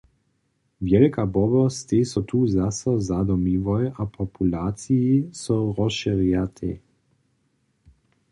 Wjelk a bobr stej so tu zaso zadomiłoj a populaciji so rozšěrjatej.